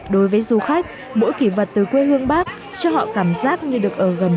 đối với du khách mỗi kỷ vật từ quê hương bác cho họ cảm giác như được ở gần hơn về bác